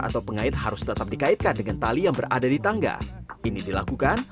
atau pengait harus tetap dikaitkan dengan tali yang berada di tangga ini dilakukan